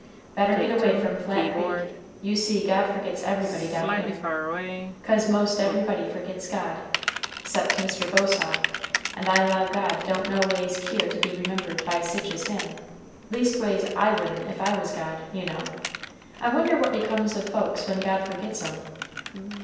"Better get away from Flat Creek. You see God forgets everybody down here. 'Cause 'most everybody forgets God, 'cept Mr. Bosaw, and I 'low God don't no ways keer to be remembered by sich as him. Leastways I wouldn't if I was God, you know. I wonder what becomes of folks when God forgets 'em?"